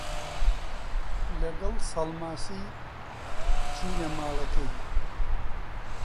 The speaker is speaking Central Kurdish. لەگەڵ سەڵماسی چووینە ماڵەکەی